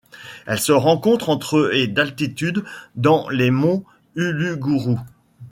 Elle se rencontre entre et d'altitude dans les monts Uluguru.